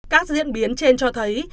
các diễn biến trên cho thấy